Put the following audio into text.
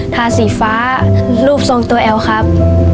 ทาสีฟ้ารูปทรงตัวแอลครับ